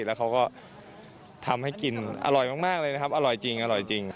แล้วเขาก็ทำให้กินอร่อยมากเลยนะครับอร่อยจริง